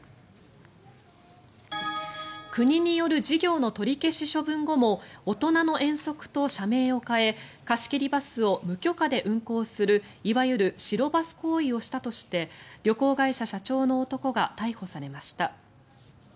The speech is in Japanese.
国による事業の取り消し処分後もおとなの遠足と社名を変え貸し切りバスを無許可で運行するいわゆる白バス行為をしたとして旅行会社社長の男が逮捕されました。